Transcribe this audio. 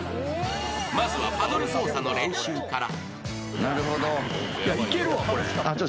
まずはパドル操作の練習から。